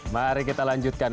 mari kita lanjutkan